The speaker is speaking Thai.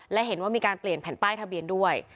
และเห็นว่ามีการเปลี่ยนแผ่นป้ายทะเบียนด้วย